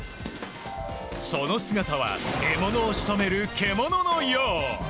その姿は獲物をしとめる獣のよう。